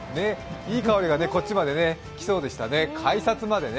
いい香りがこっちまで来そうですね、改札までね